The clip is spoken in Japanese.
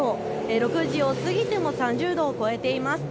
６時を過ぎでも３０度を超えています。